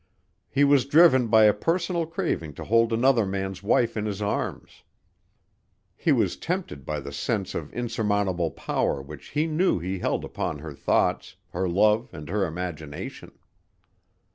He was driven by a personal craving to hold another man's wife in his arms. He was tempted by the sense of insurmountable power which he knew he held upon her thoughts, her love and her imagination.